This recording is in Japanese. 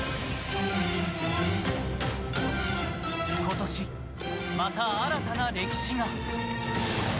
今年、また新たな歴史が。